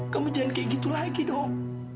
kamu jangan kayak gitu lagi dong